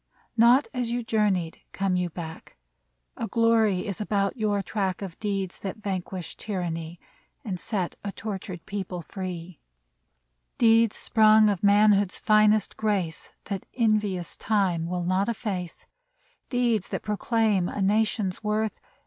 Not as you journeyed come you back ; A glory is about your track i6i WELCOME Of deeds that vanquished tyranny And set a tortured people free : Deeds, sprung of manhood's finest grace, That envious Time will not efface ; Deeds that proclaim a Nation's worth.